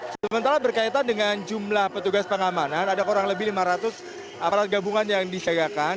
sementara berkaitan dengan jumlah petugas pengamanan ada kurang lebih lima ratus aparat gabungan yang disiagakan